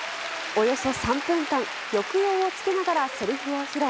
およそ３分間、抑揚をつけながらせりふを披露。